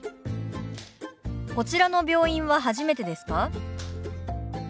「こちらの病院は初めてですか？」。